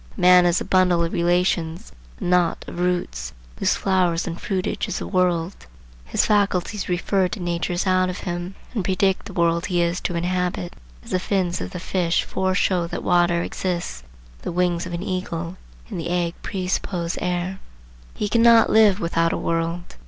A man is a bundle of relations, a knot of roots, whose flower and fruitage is the world. His faculties refer to natures out of him and predict the world he is to inhabit, as the fins of the fish foreshow that water exists, or the wings of an eagle in the egg presuppose air. He cannot live without a world.